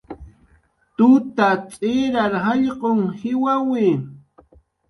Tuta tz'irar jallq'un jiwawi